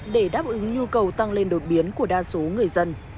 để đáp ứng nhu cầu tăng lên đột biến của đa số người dân